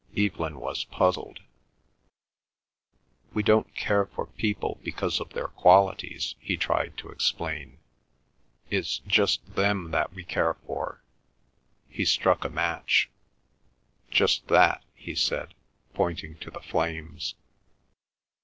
Evelyn was puzzled. "We don't care for people because of their qualities," he tried to explain. "It's just them that we care for,"—he struck a match—"just that," he said, pointing to the flames.